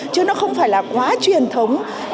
chứ nó không phải là quá truyền thống